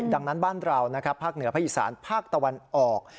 ดังนั้นบ้านเราภาคเหนือพระอีสานภาคตะวันออก